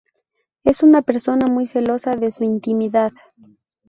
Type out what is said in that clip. Es una persona muy celosa de su intimidad.